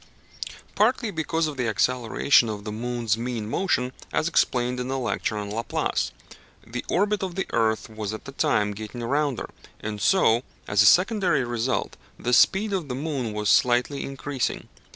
Partly because of the acceleration of the moon's mean motion, as explained in the lecture on Laplace (p. 262). The orbit of the earth was at that time getting rounder, and so, as a secondary result, the speed of the moon was slightly increasing.